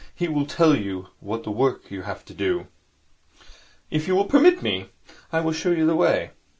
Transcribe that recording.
He will tell you what work you have to do. If you will permit me, I will show you the way.'